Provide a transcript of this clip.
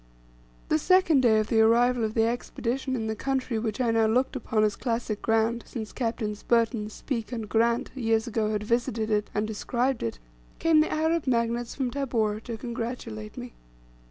The second day of the arrival of the Expedition in the country which I now looked upon as classic ground, since Capts. Burton, Speke, and Grant years ago had visited it, and described it, came the Arab magnates from Tabora to congratulate me.